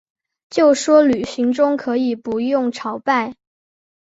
就说旅行中可以不用朝拜